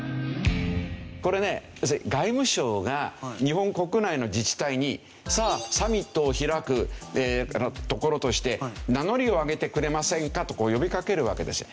これね外務省が日本国内の自治体に「さあサミットを開く所として名乗りを上げてくれませんか？」と呼びかけるわけです。